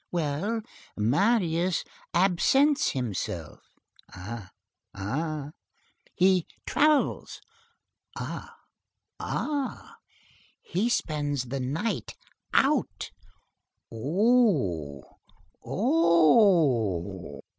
"Well, Marius absents himself!" "Eh! eh!" "He travels." "Ah! ah!" "He spends the night out." "Oh! oh!"